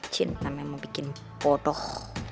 cinta memang bikin bodoh